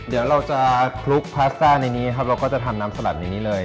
เดี๋ยวเราจะคลุกพลาสต้าในนี้ครับเราก็จะทำน้ำสลัดในนี้เลย